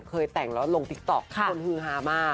เคยแต่งแล้วลงติ๊กต๊อกคนฮือฮามาก